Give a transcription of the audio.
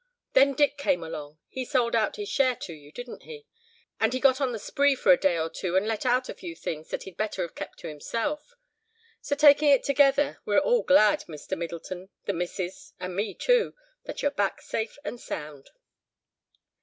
Then Dick came along, he sold out his share to you, didn't he? And he got on the spree for a day or two and let out a few things that he'd better have kept to himself. So taking it altogether, we're all glad, Mr. Middleton, the missis, and me too, that you're back safe and sound."